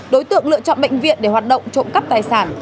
đối tượng lựa chọn bệnh viện để hoạt động trộm cắp tài sản